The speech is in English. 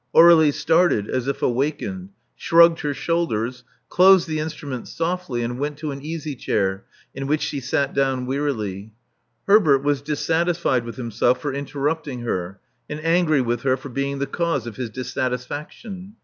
Aur^lie started as if awakened; shrugged her shoulders; closed the instrument softly; and went to an easy chair, in which she sat down wearily. Herbert was dissatisfied with himself for interrupt ing her, and angry with her for being the cause of his dissatisfaction.